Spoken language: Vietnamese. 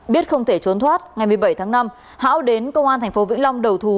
biết không thể trốn thoát ngày một mươi bảy tháng năm hảo đến công an thành phố vĩnh long đầu thú